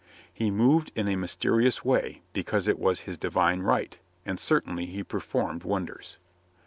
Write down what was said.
He moved in a mysterious way, because it was his di vine right, and certainly he performed wonders.